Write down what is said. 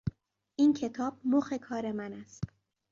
این کتاب مخ کار من است.